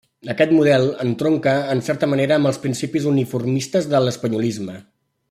Aquest model entronca en certa manera amb els principis uniformistes de l'espanyolisme.